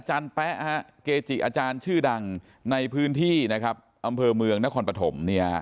อาจารย์แป๊ะเกจิอาจารย์ชื่อดังในพื้นที่อำเภอเมืองนครปฐม